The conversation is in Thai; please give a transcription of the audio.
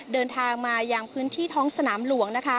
เดินทางมาอย่างพื้นที่ท้องสนามหลวงนะคะ